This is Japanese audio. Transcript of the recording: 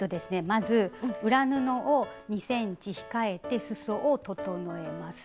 まず裏布を２ｃｍ控えてすそを整えます。